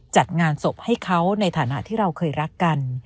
จัดงานศพให้เขาในฐานะที่เราเคยรักกัน